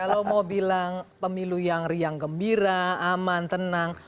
kalau mau bilang pemilu yang riang gembira aman tenang